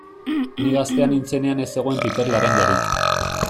Ni gaztea nintzenean ez zegoen piper laranjarik.